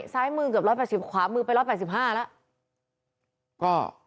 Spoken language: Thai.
ซ้ายมือเกือบ๑๘๐ขวามือไป๑๘๕แล้ว